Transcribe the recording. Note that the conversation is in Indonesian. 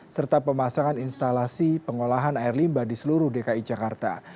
serta pemasangan instalasi pengolahan air limba di seluruh dki jakarta